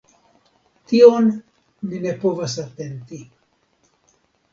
Tion mi ne povas atenti.